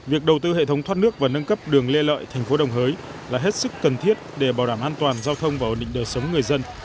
việc đầu tư hệ thống thoát nước và nâng cấp đường lê lợi thành phố đồng hới là hết sức cần thiết để bảo đảm an toàn giao thông và ổn định đời sống người dân